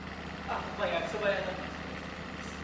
ここは焼きそば屋になってます。